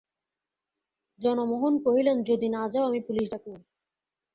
জগমোহন কহিলেন, যদি না যাও আমি পুলিস ডাকিব।